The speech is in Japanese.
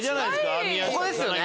ここですよね？